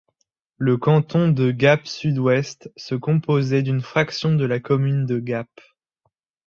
Le canton de Gap-Sud-Ouest se composait d’une fraction de la commune de Gap.